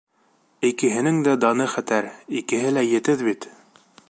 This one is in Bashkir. Икеһенең дә даны хәтәр, икеһе лә етеҙ бит.